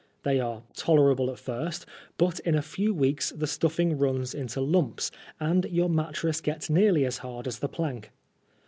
They are tolerable at first, but in a few weeks the staffing mns into lumps, and yonr mattress gets nearly as hard as the plank.